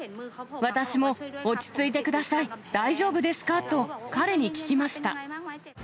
私も、落ち着いてください、大丈夫ですかと、彼に聞きました。